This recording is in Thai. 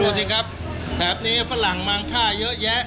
สิครับแบบนี้ฝรั่งมังค่าเยอะแยะ